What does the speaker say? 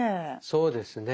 そうですね。